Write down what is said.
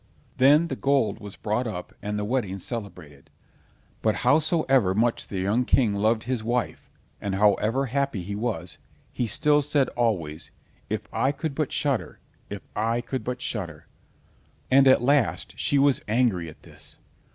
Then the gold was brought up and the wedding celebrated; but howsoever much the young King loved his wife, and however happy he was, he still said always: "If I could but shudder—if I could but shudder." And at last she was angry at this.